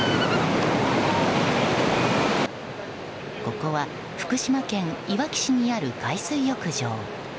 ここは福島県いわき市にある海水浴場。